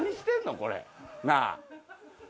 これ。なあ。